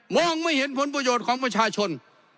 องไม่เห็นผลประโยชน์ของประชาชน